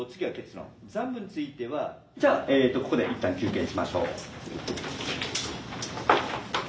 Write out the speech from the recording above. じゃあここでいったん休憩にしましょう。